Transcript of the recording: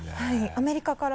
アメリカから？